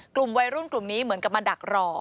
กลุ่มวัยรุ่นกลุ่มนี้เหมือนกับมาดักรอ